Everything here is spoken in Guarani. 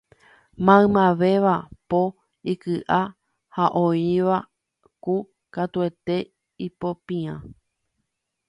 Maymavéva po ikyʼa ha oĩva kũ katuete ipopĩa.